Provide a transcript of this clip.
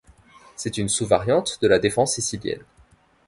C'est une sous-variante de la défense sicilienne.